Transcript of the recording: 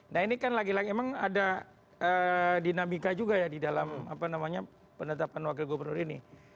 nah ini kan lagi lagi memang ada dinamika juga ya di dalam penetapan wakil gubernur ini